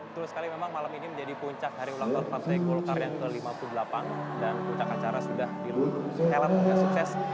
betul sekali memang malam ini menjadi puncak hari ulang tahun partai golkar yang ke lima puluh delapan dan puncak acara sudah dihelat sukses